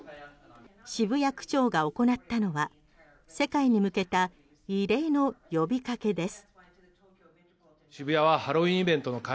渋谷区長が行ったのは世界に向けた異例の呼びかけです。